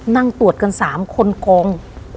นั่งตรวจกัน๓คนกอง